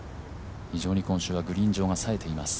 非常に今週はグリーン上がさえています。